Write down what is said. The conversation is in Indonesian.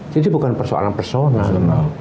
jadi bukan persoalan personal